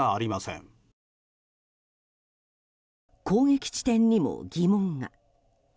攻撃地点にも疑問が。